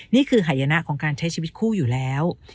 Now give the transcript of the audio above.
นี่คือหายนะของการใช้ชีวิตคู่อยู่แล้ว